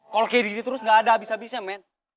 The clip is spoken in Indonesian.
kalau kayak gini terus ga ada abis abisnya men